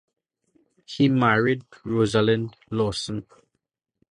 He married Rosalind Lawson.